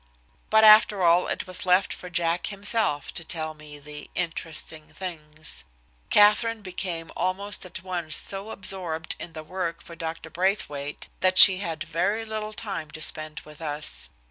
But, after all, it was left for Jack himself to tell me the "interesting things." Katherine became almost at once so absorbed in the work for Dr. Braithwaite that she had very little time to spend with us.